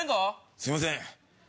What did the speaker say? すいません！